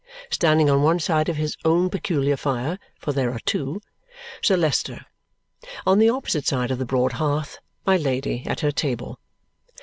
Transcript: Standing on one side of his own peculiar fire (for there are two), Sir Leicester. On the opposite side of the broad hearth, my Lady at her table.